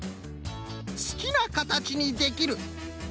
「すきなかたちにできる」。